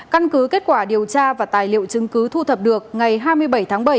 căn cứ kết quả điều tra và tài liệu chứng cứ thu thập được ngày hai mươi bảy tháng bảy